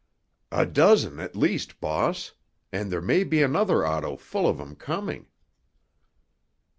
"A dozen at least, boss—and there may be another auto full of 'em coming."